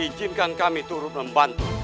ijinkan kami turut membantu